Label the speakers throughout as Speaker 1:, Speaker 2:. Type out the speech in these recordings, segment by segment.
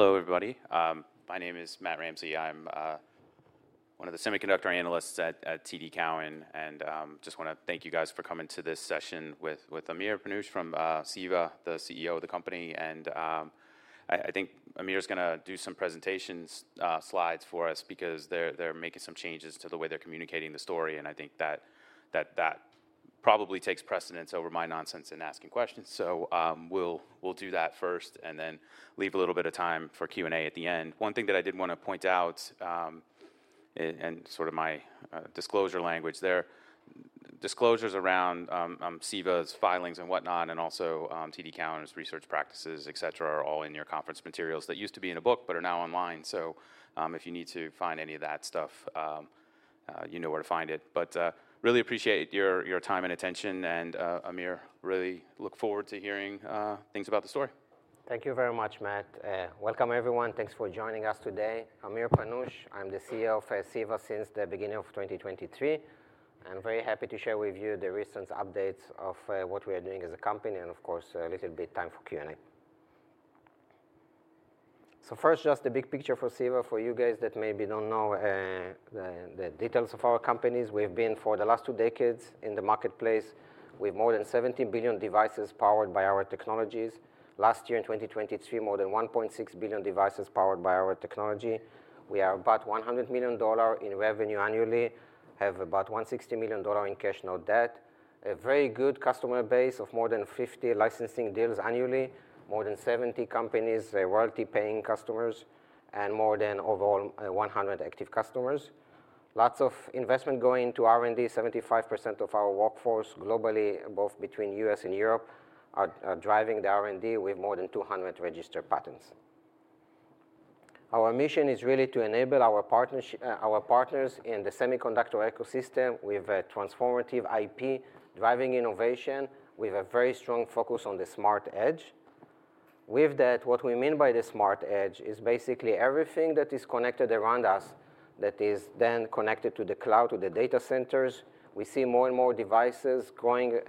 Speaker 1: Hello, everybody. My name is Matt Ramsay. I'm one of the semiconductor analysts at TD Cowen, and just wanna thank you guys for coming to this session with Amir Panush from CEVA, the CEO of the company. I think Amir's gonna do some presentations, slides for us because they're making some changes to the way they're communicating the story, and I think that probably takes precedence over my nonsense in asking questions. We'll do that first, and then leave a little bit of time for Q&A at the end. One thing that I did wanna point out, and sort of my disclosure language there, disclosures around, CEVA's filings and whatnot, and also, TD Cowen's research practices, et cetera, are all in your conference materials, that used to be in a book, but are now online. So, if you need to find any of that stuff, you know where to find it. But, really appreciate your, your time and attention, and, Amir, really look forward to hearing, things about the story.
Speaker 2: Thank you very much, Matt. Welcome everyone. Thanks for joining us today. Amir Panush, I'm the CEO of CEVA since the beginning of 2023. I'm very happy to share with you the recent updates of what we are doing as a company, and of course, a little bit time for Q&A. So first, just the big picture for CEVA, for you guys that maybe don't know the details of our company, we've been, for the last two decades, in the marketplace, with more than 70 billion devices powered by our technologies. Last year, in 2023, more than 1.6 billion devices powered by our technology. We are about $100 million in revenue annually, have about $160 million in cash, no debt. A very good customer base of more than 50 licensing deals annually, more than 70 companies, royalty-paying customers, and more than overall, 100 active customers. Lots of investment going into R&D. 75% of our workforce globally, both between US and Europe, are driving the R&D with more than 200 registered patents. Our mission is really to enable our partners in the semiconductor ecosystem with a transformative IP, driving innovation, with a very strong focus on the smart edge. With that, what we mean by the smart edge is basically everything that is connected around us, that is then connected to the cloud, to the data centers. We see more and more devices going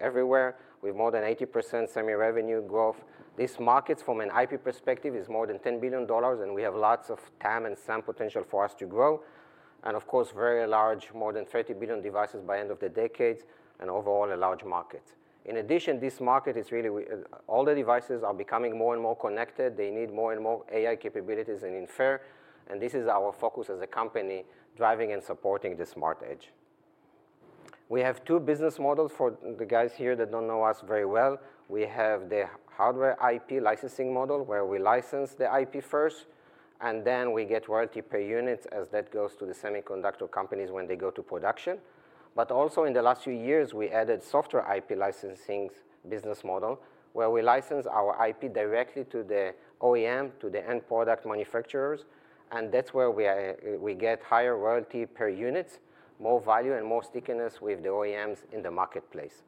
Speaker 2: everywhere, with more than 80% semi-revenue growth. These markets, from an IP perspective, is more than $10 billion, and we have lots of TAM and SAM potential for us to grow, and of course, very large, more than 30 billion devices by end of the decade, and overall, a large market. In addition, this market is really all the devices are becoming more and more connected. They need more and more AI capabilities and infer, and this is our focus as a company, driving and supporting the smart edge. We have two business models, for the guys here that don't know us very well. We have the hardware IP licensing model, where we license the IP first, and then we get royalty per unit as that goes to the semiconductor companies when they go to production. But also, in the last few years, we added software IP licensing business model, where we license our IP directly to the OEM, to the end product manufacturers, and that's where we are- we get higher royalty per units, more value, and more stickiness with the OEMs in the marketplace.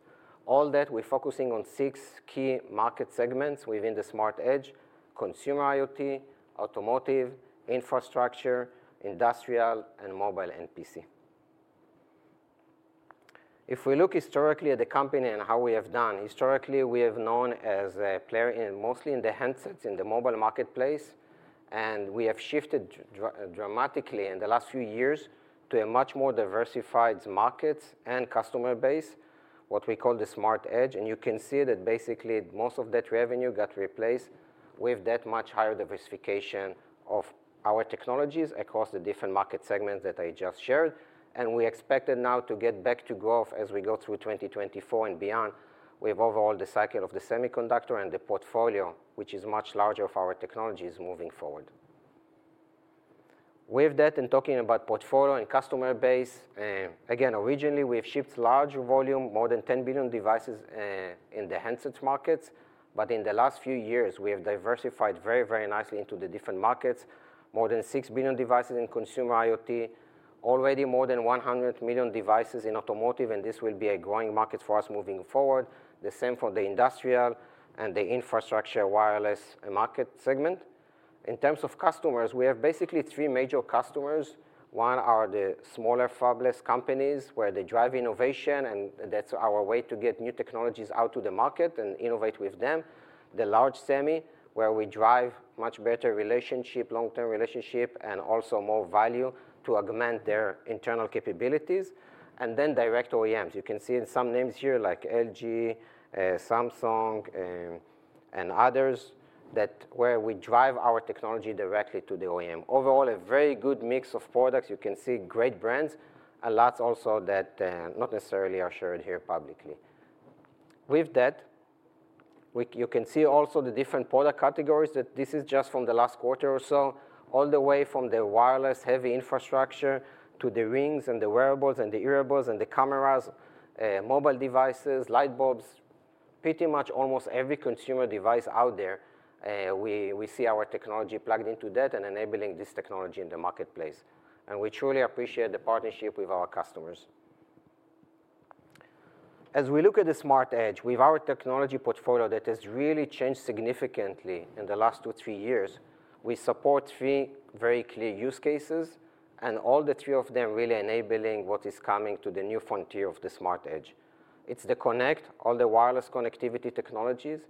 Speaker 2: All that, we're focusing on six key market segments within the smart edge: consumer IoT, automotive, infrastructure, industrial, and mobile and PC. If we look historically at the company and how we have done, historically, we have known as a player in mostly in the handsets, in the mobile marketplace, and we have shifted dramatically in the last few years to a much more diversified markets and customer base, what we call the smart edge. You can see that basically, most of that revenue got replaced with that much higher diversification of our technologies across the different market segments that I just shared. We expect it now to get back to growth as we go through 2024 and beyond, with overall the cycle of the semiconductor and the portfolio, which is much larger of our technologies moving forward. With that, in talking about portfolio and customer base, again, originally, we've shipped large volume, more than 10 billion devices, in the handsets markets, but in the last few years, we have diversified very, very nicely into the different markets. More than 6 billion devices in consumer IoT. Already more than 100 million devices in automotive, and this will be a growing market for us moving forward. The same for the industrial and the infrastructure, wireless, market segment. In terms of customers, we have basically three major customers. One are the smaller fabless companies, where they drive innovation, and that's our way to get new technologies out to the market and innovate with them. The large semi, where we drive much better relationship, long-term relationship, and also more value to augment their internal capabilities. And then, direct OEMs. You can see in some names here, like LG, Samsung, and others, that where we drive our technology directly to the OEM. Overall, a very good mix of products. You can see great brands, a lot also that, not necessarily are shared here publicly. With that, you can see also the different product categories, that this is just from the last quarter or so. All the way from the wireless, heavy infrastructure, to the rings, and the wearables, and the earables, and the cameras, mobile devices, light bulbs, pretty much almost every consumer device out there, we see our technology plugged into that and enabling this technology in the marketplace. We truly appreciate the partnership with our customers. As we look at the smart edge, with our technology portfolio that has really changed significantly in the last 2, 3 years, we support 3 very clear use cases, and all the 3 of them really enabling what is coming to the new frontier of the smart edge. It's the connect, all the wireless connectivity technologies.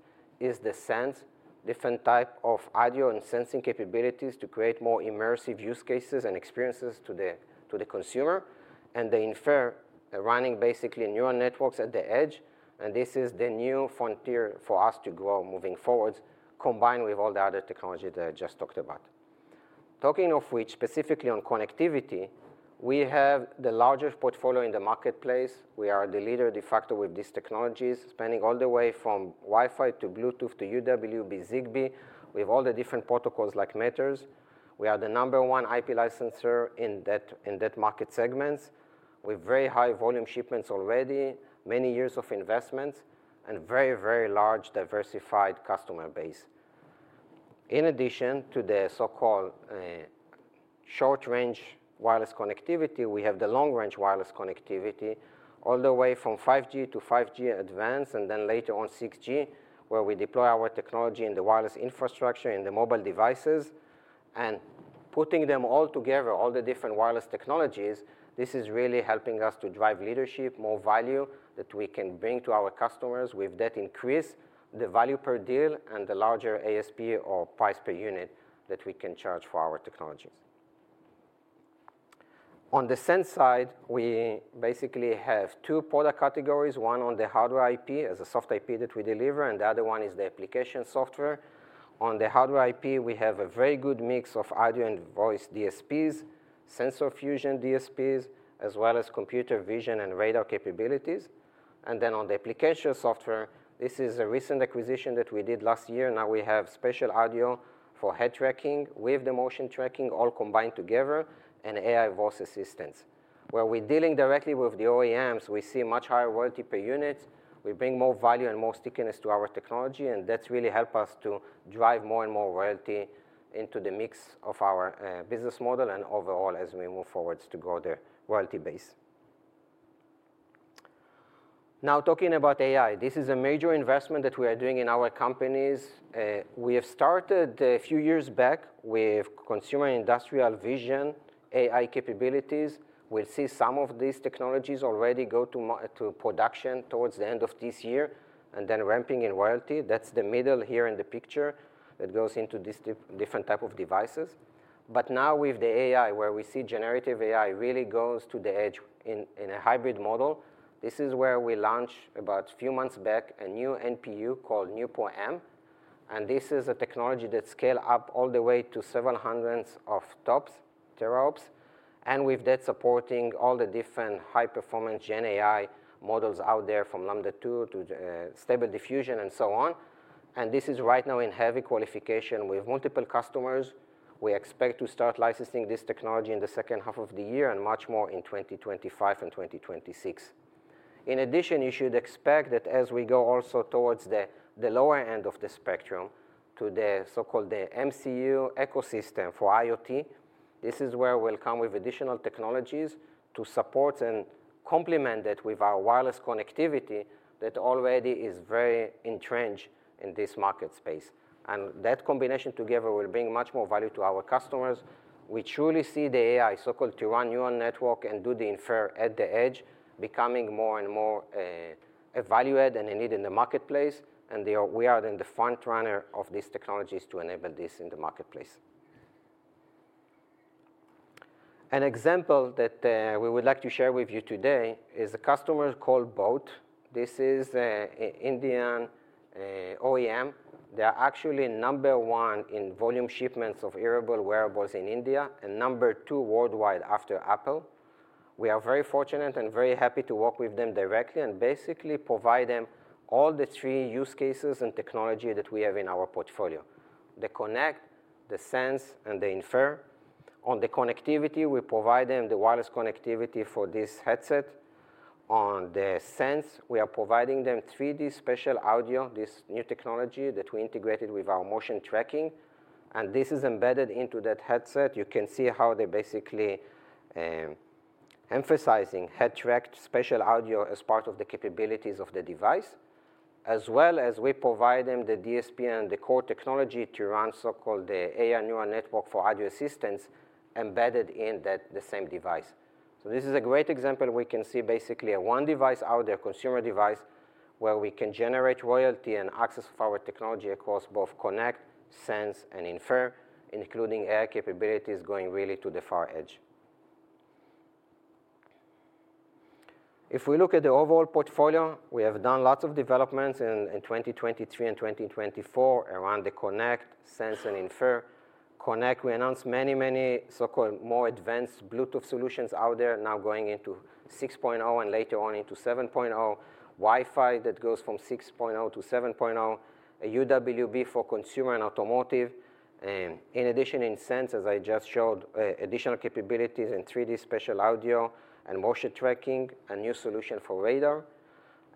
Speaker 2: It's the sense, different type of audio and sensing capabilities to create more immersive use cases and experiences to the consumer. And the inference, running basically neural networks at the edge, and this is the new frontier for us to grow moving forward, combined with all the other technology that I just talked about. Talking of which, specifically on connectivity, we have the largest portfolio in the marketplace. We are the leader de facto with these technologies, spanning all the way from Wi-Fi to Bluetooth to UWB, Zigbee. We have all the different protocols like Matter. We are the number one IP licenser in that, in that market segments, with very high volume shipments already, many years of investments, and very, very large diversified customer base. In addition to the so-called short range wireless connectivity, we have the long range wireless connectivity, all the way from 5G to 5G Advanced, and then later on 6G, where we deploy our technology in the wireless infrastructure, in the mobile devices. Putting them all together, all the different wireless technologies, this is really helping us to drive leadership, more value that we can bring to our customers. With that increase, the value per deal and the larger ASP or price per unit that we can charge for our technologies. On the sense side, we basically have two product categories, one on the hardware IP, as a soft IP that we deliver, and the other one is the application software. On the hardware IP, we have a very good mix of audio and voice DSPs, sensor fusion DSPs, as well as computer vision and radar capabilities. Then on the application software, this is a recent acquisition that we did last year. Now, we have spatial audio for head tracking, with the motion tracking all combined together, and AI voice assistance. Where we're dealing directly with the OEMs, we see much higher royalty per unit. We bring more value and more stickiness to our technology, and that's really help us to drive more and more royalty into the mix of our business model, and overall, as we move forward to grow the royalty base. Now, talking about AI, this is a major investment that we are doing in our companies. We have started a few years back with consumer and industrial vision, AI capabilities. We'll see some of these technologies already go to production towards the end of this year, and then ramping in royalty. That's the middle here in the picture, that goes into these different type of devices. But now with the AI, where we see generative AI really goes to the edge in a hybrid model. This is where we launch, about a few months back, a new NPU called NeuPro-M, and this is a technology that scale up all the way to several hundreds of TOPS, teraops. And with that, supporting all the different high-performance gen AI models out there, from Llama 2 to Stable Diffusion, and so on. And this is right now in heavy qualification with multiple customers. We expect to start licensing this technology in the second half of the year, and much more in 2025 and 2026. In addition, you should expect that as we go also towards the lower end of the spectrum, to the so-called MCU ecosystem for IoT, this is where we'll come with additional technologies to support and complement it with our wireless connectivity that already is very entrenched in this market space. And that combination together will bring much more value to our customers. We truly see the AI, so-called to run neural network and do the inference at the edge, becoming more and more valued at and a need in the marketplace, and we are in the front runner of these technologies to enable this in the marketplace. An example that we would like to share with you today is a customer called boAt. This is an Indian OEM. They are actually number 1 in volume shipments of earable wearables in India, and number 2 worldwide after Apple. We are very fortunate and very happy to work with them directly, and basically provide them all the three use cases and technology that we have in our portfolio: the connect, the sense, and the infer. On the connectivity, we provide them the wireless connectivity for this headset. On the sense, we are providing them 3D spatial audio, this new technology that we integrated with our motion tracking, and this is embedded into that headset. You can see how they're basically emphasizing head-tracked spatial audio as part of the capabilities of the device. As well as we provide them the DSP and the core technology to run so-called the AI neural network for audio systems, embedded in that, the same device. So this is a great example. We can see basically a one device out there, consumer device, where we can generate royalty and access for our technology across both connect, sense, and infer, including AI capabilities going really to the far edge. If we look at the overall portfolio, we have done lots of developments in 2023 and 2024 around the connect, sense, and infer. Connect, we announced many, many so-called more advanced Bluetooth solutions out there, now going into 6.0, and later on into 7.0. Wi-Fi, that goes from 6.0 to 7.0. A UWB for consumer and automotive. In addition, in sense, as I just showed, additional capabilities in 3D spatial audio and motion tracking, a new solution for radar.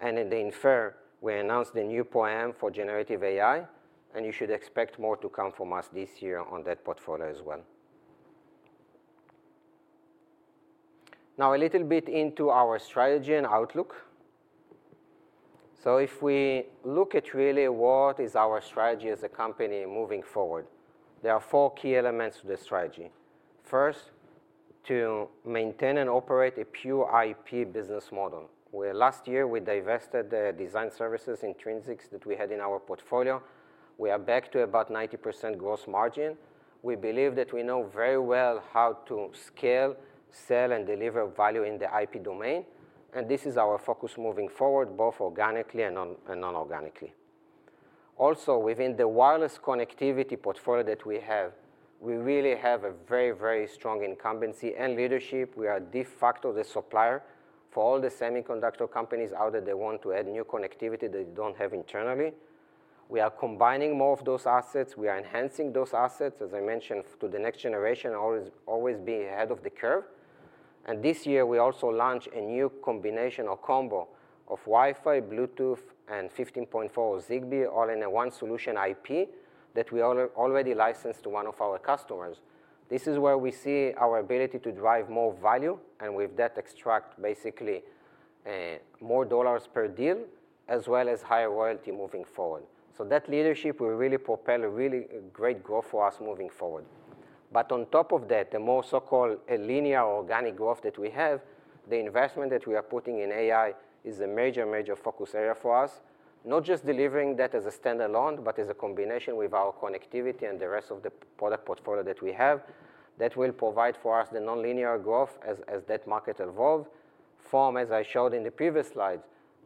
Speaker 2: And in the inference, we announced the new NeuPro-M for generative AI, and you should expect more to come from us this year on that portfolio as well. Now, a little bit into our strategy and outlook. So if we look at really what is our strategy as a company moving forward, there are four key elements to the strategy. First, to maintain and operate a pure IP business model, where last year we divested the design services Intrinsix that we had in our portfolio. We are back to about 90% gross margin. We believe that we know very well how to scale, sell, and deliver value in the IP domain, and this is our focus moving forward, both organically and non-organically. Also, within the wireless connectivity portfolio that we have, we really have a very, very strong incumbency and leadership. We are de facto the supplier for all the semiconductor companies out there that want to add new connectivity they don't have internally. We are combining more of those assets, we are enhancing those assets, as I mentioned, to the next generation, always, always being ahead of the curve. And this year, we also launch a new combination or combo of Wi-Fi, Bluetooth, and 15.4 Zigbee, all in a one solution IP, that we already licensed to one of our customers. This is where we see our ability to drive more value, and with that, extract basically, more dollars per deal, as well as higher royalty moving forward. So that leadership will really propel a really great growth for us moving forward. But on top of that, the more so-called linear organic growth that we have, the investment that we are putting in AI is a major, major focus area for us. Not just delivering that as a standalone, but as a combination with our connectivity and the rest of the product portfolio that we have, that will provide for us the non-linear growth as that market evolve. From, as I showed in the previous slide,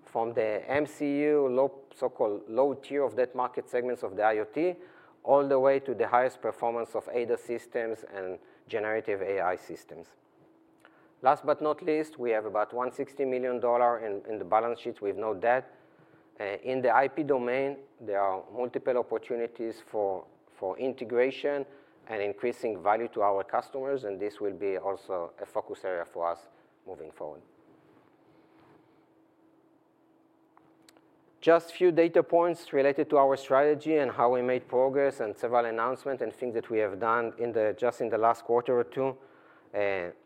Speaker 2: from the MCU, low, so-called low tier of that market segments of the IoT, all the way to the highest performance of ADAS and generative AI systems. Last but not least, we have about $160 million in the balance sheet, with no debt. In the IP domain, there are multiple opportunities for integration and increasing value to our customers, and this will be also a focus area for us moving forward. Just few data points related to our strategy and how we made progress, and several announcement and things that we have done in just the last quarter or two.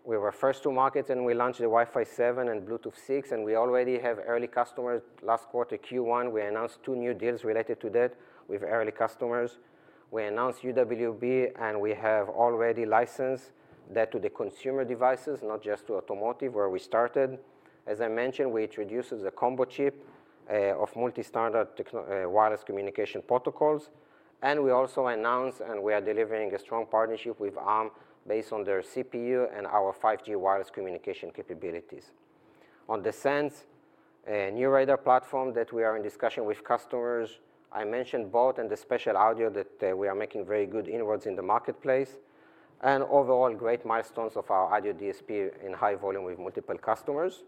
Speaker 2: We were first to market, and we launched the Wi-Fi 7 and Bluetooth 6, and we already have early customers. Last quarter, Q1, we announced two new deals related to that with early customers. We announced UWB, and we have already licensed that to the consumer devices, not just to automotive, where we started. As I mentioned, we introduced the combo chip of multi-standard techno wireless communication protocols. And we also announced, and we are delivering a strong partnership with Arm, based on their CPU and our 5G wireless communication capabilities. On the sense, a new radar platform that we are in discussion with customers, I mentioned boAt and the spatial audio that we are making very good inroads in the marketplace, and overall, great milestones of our audio DSP in high volume with multiple customers.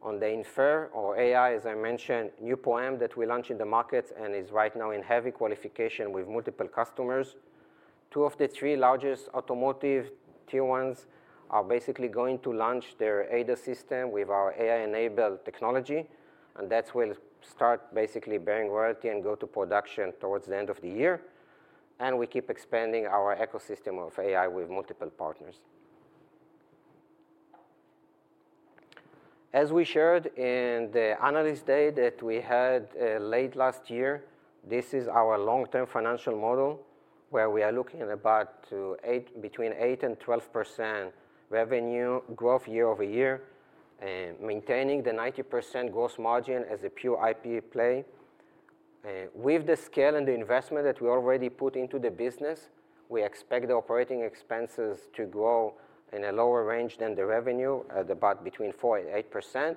Speaker 2: On the inference or AI, as I mentioned, NeuPro-M that we launched in the market and is right now in heavy qualification with multiple customers. Two of the three largest automotive tier ones are basically going to launch their ADAS with our AI-enabled technology, and that will start basically bearing royalty and go to production towards the end of the year. And we keep expanding our ecosystem of AI with multiple partners. As we shared in the analyst day that we had, late last year, this is our long-term financial model, where we are looking about to 8, between 8% and 12% revenue growth year-over-year, maintaining the 90% gross margin as a pure IP play. With the scale and the investment that we already put into the business, we expect the operating expenses to grow in a lower range than the revenue, at about between 4% and 8%.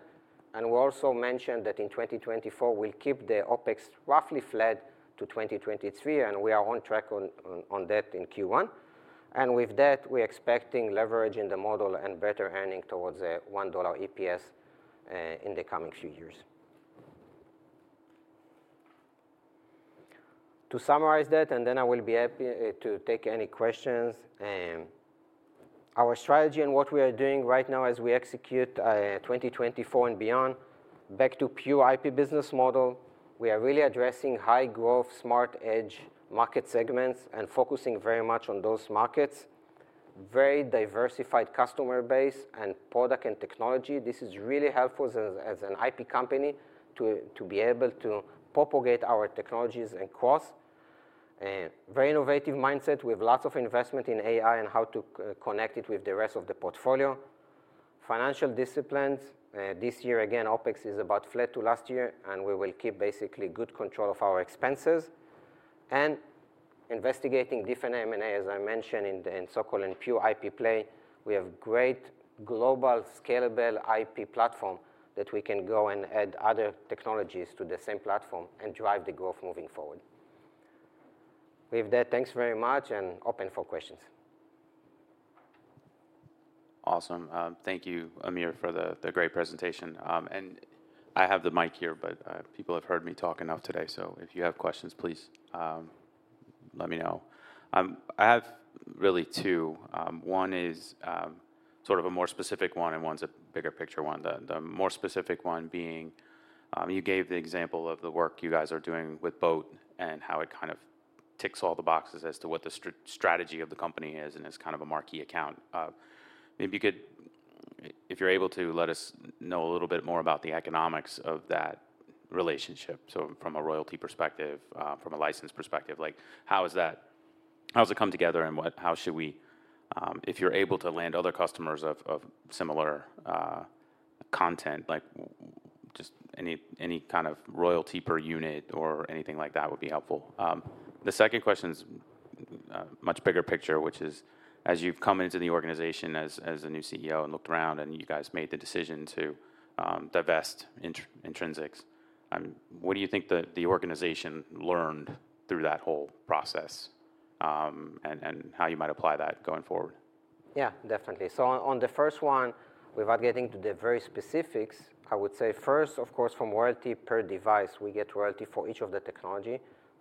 Speaker 2: And we also mentioned that in 2024, we'll keep the OpEx roughly flat to 2023, and we are on track on that in Q1. And with that, we're expecting leverage in the model and better earning towards a $1 EPS, in the coming few years. To summarize that, and then I will be happy, to take any questions. Our strategy and what we are doing right now as we execute 2024 and beyond, back to pure IP business model. We are really addressing high growth, smart edge market segments and focusing very much on those markets. Very diversified customer base and product and technology. This is really helpful as an IP company to be able to propagate our technologies and costs. Very innovative mindset, with lots of investment in AI and how to connect it with the rest of the portfolio. Financial disciplines. This year, again, OpEx is about flat to last year, and we will keep basically good control of our expenses. Investigating different M&A, as I mentioned, in the so-called pure IP play. We have great global, scalable IP platform, that we can go and add other technologies to the same platform and drive the growth moving forward. With that, thanks very much and open for questions.
Speaker 1: Awesome. Thank you, Amir, for the great presentation. And I have the mic here, but people have heard me talk enough today, so if you have questions, please let me know. I have really two. One is sort of a more specific one, and one's a bigger picture one. The more specific one being, you gave the example of the work you guys are doing with boAt, and how it kind of ticks all the boxes as to what the strategy of the company is, and it's kind of a marquee account. Maybe if you're able to, let us know a little bit more about the economics of that relationship, so from a royalty perspective, from a license perspective. Like, how does it come together, and how should we...If you're able to land other customers of, of similar, content, like, just any, any kind of royalty per unit or anything like that would be helpful. The second question's a much bigger picture, which is, as you've come into the organization as, as a new CEO and looked around, and you guys made the decision to divest Intrinsix, what do you think the, the organization learned through that whole process, and, and how you might apply that going forward?
Speaker 2: Yeah, definitely. So on, on the first one, without getting into the very specifics, I would say first, of course, from royalty per device, we get royalty for each of the technology.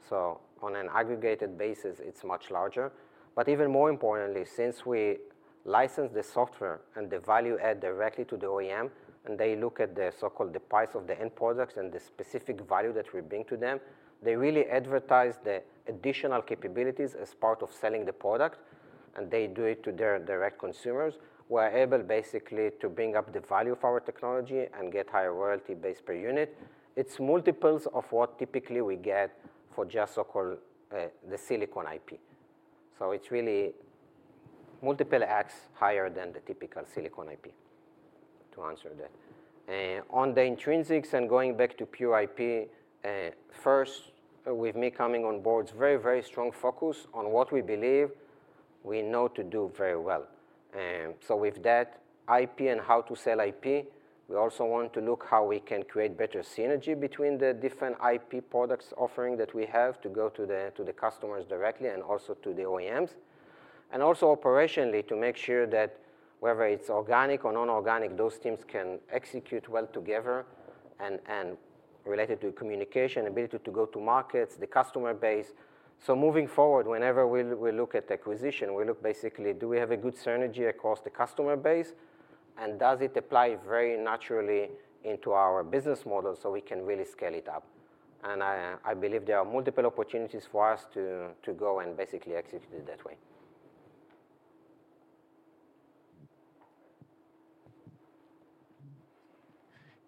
Speaker 2: So on an aggregated basis, it's much larger. But even more importantly, since we license the software and the value add directly to the OEM, and they look at the so-called price of the end products and the specific value that we bring to them, they really advertise the additional capabilities as part of selling the product, and they do it to their direct consumers. We're able, basically, to bring up the value of our technology and get higher royalty base per unit. It's multiples of what typically we get for just so-called, the silicon IP. So it's really multiple X higher than the typical silicon IP, to answer that. On the Intrinsix, and going back to pure IP, first, with me coming on board, it's very, very strong focus on what we believe we know to do very well. So with that IP and how to sell IP, we also want to look how we can create better synergy between the different IP products offering that we have to go to the, to the customers directly, and also to the OEMs. And also, operationally, to make sure that whether it's organic or non-organic, those teams can execute well together, and, and related to communication, ability to go to markets, the customer base. So moving forward, whenever we look at acquisition, we look basically, do we have a good synergy across the customer base, and does it apply very naturally into our business model, so we can really scale it up? I believe there are multiple opportunities for us to go and basically execute it that way.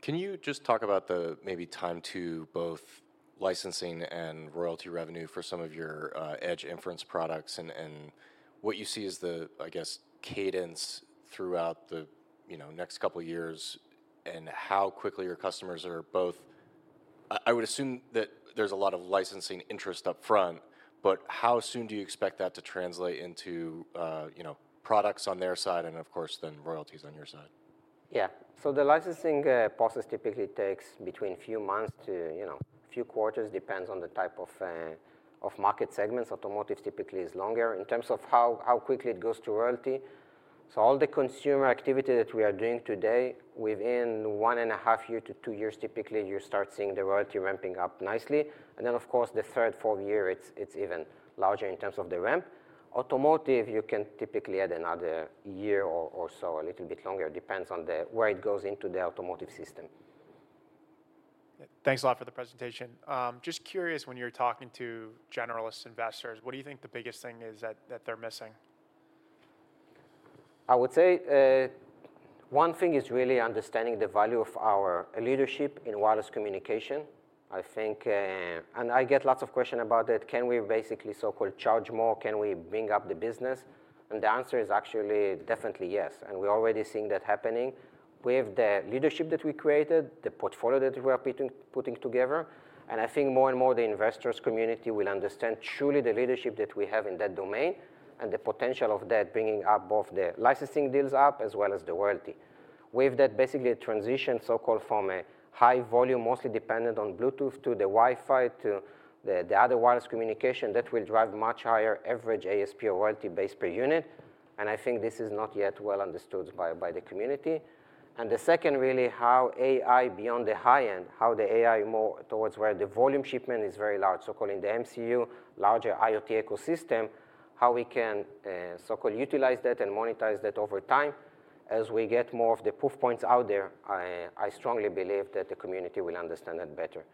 Speaker 1: Can you just talk about the maybe time to both licensing and royalty revenue for some of your edge inference products, and what you see as the, I guess, cadence throughout the, you know, next couple years, and how quickly your customers are both... I would assume that there's a lot of licensing interest up front, but how soon do you expect that to translate into, you know, products on their side, and of course, then royalties on your side?
Speaker 2: Yeah. So the licensing process typically takes between a few months to, you know, a few quarters. Depends on the type of market segments. Automotive typically is longer. In terms of how quickly it goes to royalty, so all the consumer activity that we are doing today, within 1.5 years to 2 years, typically, you start seeing the royalty ramping up nicely, and then, of course, the 3rd, 4th year, it's even larger in terms of the ramp. Automotive, you can typically add another year or so, a little bit longer. Depends on where it goes into the automotive system.
Speaker 1: Thanks a lot for the presentation. Just curious, when you're talking to generalist investors, what do you think the biggest thing is that, that they're missing?
Speaker 2: I would say, one thing is really understanding the value of our leadership in wireless communication. I think... And I get lots of questions about it. Can we basically so-called charge more? Can we bring up the business? And the answer is actually definitely yes, and we're already seeing that happening. With the leadership that we created, the portfolio that we are putting, putting together, and I think more and more the investors community will understand truly the leadership that we have in that domain, and the potential of that bringing up both the licensing deals up, as well as the royalty. With that, basically, a transition, so-called, from a high volume, mostly dependent on Bluetooth to the Wi-Fi, to the other wireless communication, that will drive much higher average ASP or royalty base per unit, and I think this is not yet well understood by the community. And the second, really, how AI, beyond the high-end, how the AI more towards where the volume shipment is very large, so-called in the MCU, larger IoT ecosystem, how we can so-called utilize that and monetize that over time. As we get more of the proof points out there, I strongly believe that the community will understand that better.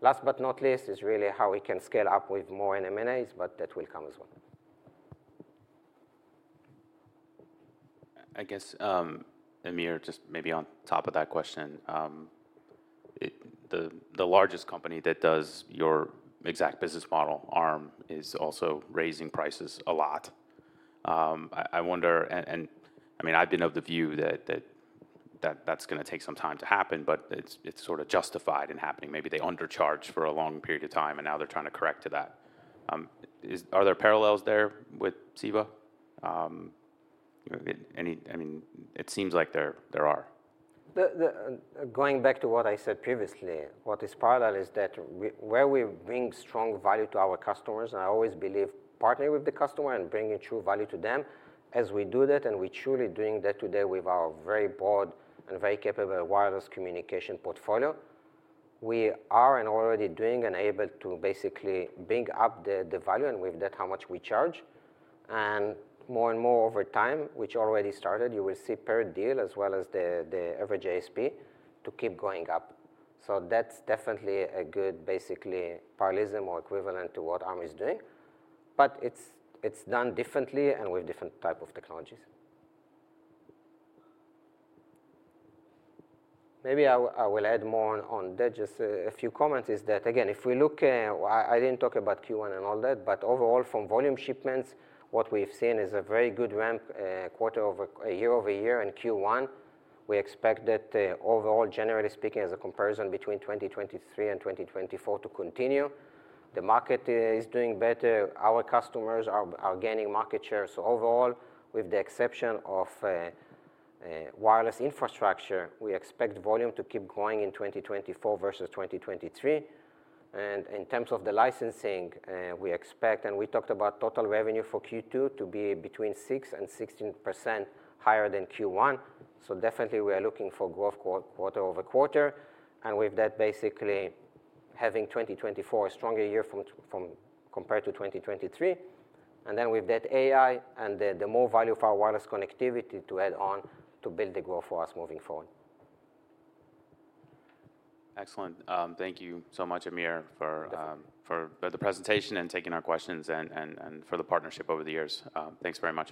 Speaker 2: Last but not least, is really how we can scale up with more M&As, but that will come as well.
Speaker 1: I guess, Amir, just maybe on top of that question, the largest company that does your exact business model, Arm, is also raising prices a lot. I wonder, and I mean, I've been of the view that that's gonna take some time to happen, but it's sort of justified in happening. Maybe they undercharged for a long period of time, and now they're trying to correct to that. Are there parallels there with CEVA? You know, I mean, it seems like there are.
Speaker 2: Going back to what I said previously, what is parallel is that where we bring strong value to our customers, and I always believe partnering with the customer and bringing true value to them, as we do that, and we're truly doing that today with our very broad and very capable wireless communication portfolio, we are already doing and able to basically bring up the value, and with that, how much we charge. More and more over time, which already started, you will see per deal, as well as the average ASP, to keep going up. So that's definitely a good, basically, parallelism or equivalent to what Arm is doing, but it's done differently and with different type of technologies. Maybe I will add more on that. Just a few comments is that, again, if we look, I didn't talk about Q1 and all that, but overall, from volume shipments, what we've seen is a very good ramp, quarter-over-year-over-year in Q1. We expect that, overall, generally speaking, as a comparison between 2023 and 2024, to continue. The market is doing better. Our customers are gaining market share. So overall, with the exception of wireless infrastructure, we expect volume to keep growing in 2024 versus 2023. And in terms of the licensing, we expect... And we talked about total revenue for Q2 to be between 6% and 16% higher than Q1, so definitely we are looking for growth quarter-over-quarter. And with that, basically, having 2024 a stronger year from...compared to 2023, and then, with that AI and the more value for our wireless connectivity to add on to build the growth for us moving forward.
Speaker 1: Excellent. Thank you so much, Amir, for
Speaker 2: Definitely...
Speaker 1: for the presentation, and taking our questions, and for the partnership over the years. Thanks very much.